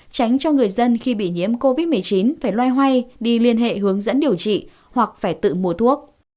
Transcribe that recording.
tránh cho người dân khi bị nhiễm covid một mươi chín phải loay hoay đi liên hệ hướng dẫn điều trị hoặc phải tự mua thuốc